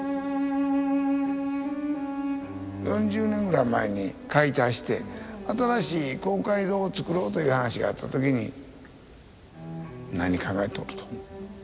４０年ぐらい前に解体して新しい公会堂をつくろうという話があった時に何考えとると。